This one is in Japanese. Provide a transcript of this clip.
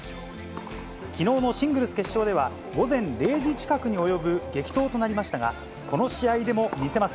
きのうのシングルス決勝では、午前０時近くに及ぶ激闘となりましたが、この試合でも見せます。